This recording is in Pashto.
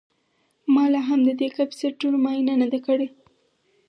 ما لاهم د دې کیپیسټرونو معاینه نه ده کړې